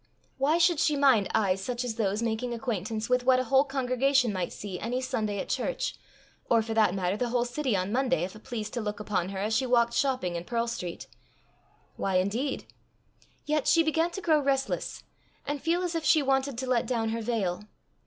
Why should she mind eyes such as those making acquaintance with what a whole congregation might see any Sunday at church, or for that matter, the whole city on Monday, if it pleased to look upon her as she walked shopping in Pearl street? Why indeed? Yet she began to grow restless, and feel as if she wanted to let down her veil.